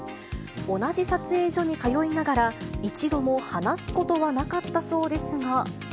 同じ撮影所に通いながら、一度も話すことはなかったそうですが。